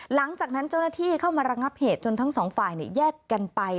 หลังจากนั้นเจ้าหน้าที่เข้ามาระงับเหตุจนทั้งสองฝ่ายแยกกันไป